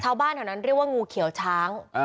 ชาวบ้านแถวนั้นเรียกว่างูเขียวช้าง